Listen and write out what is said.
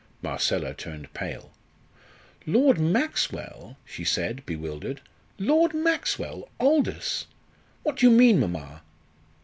Marcella turned pale. "Lord Maxwell!" she said, bewildered. "Lord Maxwell Aldous! What do you mean, mamma?"